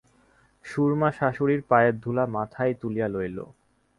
সুরমা শাশুড়ীর পায়ের ধুলা মাথায় তুলিয়া লইল।